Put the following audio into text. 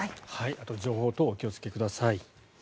あと情報等お気をつけください。